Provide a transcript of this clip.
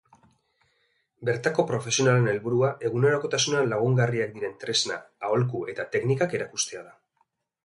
Bertako profesionalen helburua egunerokotasunean lagungarriak diren tresna, aholku eta teknikak erakustea da.